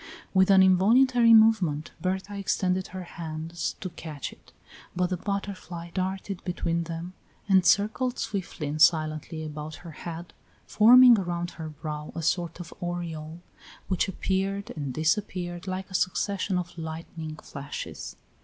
With an involuntary movement Berta extended her hands to catch it, but the butterfly darted between them, and circled swiftly and silently about her head, forming around her brow a sort of aureole, which appeared and disappeared like a succession of lightning flashes.